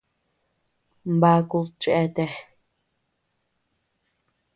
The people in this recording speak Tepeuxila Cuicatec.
Bakud cheatea.